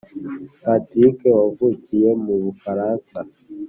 Patrick wavukiye mu Bufaransa